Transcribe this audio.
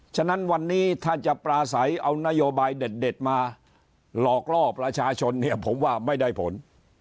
ฉะนั้นวันนี้ถ้าจะปราศัยเอานโยบายเด็ดมาหลอกล่อประชาชนเนี่ยผมว่าไม่ได้ผล